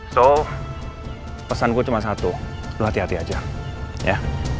so pesan gue cuma satu lo hati hati aja ya